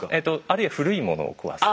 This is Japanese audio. あるいは古いものを壊す。